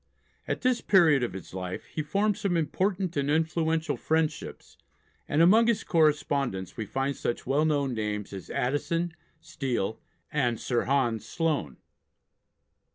At this period of his life he formed some important and influential friendships, and among his correspondents we find such well known names as Addison, Steele, and Sir Hans Sloane.